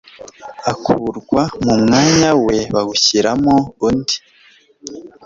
akurwa mu mwanya we bawushyiramo undi